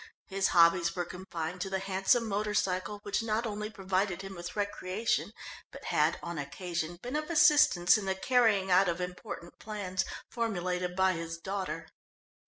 His hobbies were confined to the handsome motor cycle, which not only provided him with recreation, but had, on occasion, been of assistance in the carrying out of important plans, formulated by his daughter.